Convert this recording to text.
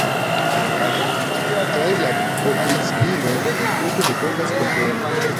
Kaj la opriĉninon mi tute ne povas kompreni.